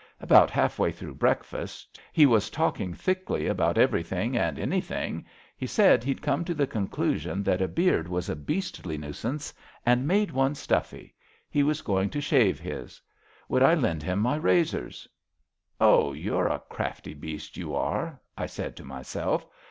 About half way through breakfast — ^he was talking thickly about everything and anything — ^he said he'd come to the conclusion that a beard was a beastly nuisance and made one stuffy. He was going to shave his. Would I lend him my razors ?* Oh, you're a crafty beast, you are,' I said to my self.